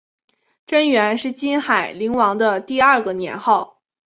贞元是金海陵王的第二个年号。